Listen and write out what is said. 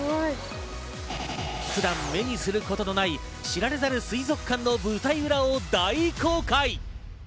普段、目にすることのない、知られざる水族館の舞台裏を大公開。